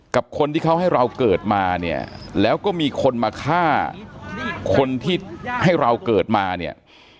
กับคนที่เขาให้เราเกิดมาเนี่ยแล้วก็มีคนมาฆ่าคนที่ให้เราเกิดมาเนี่ย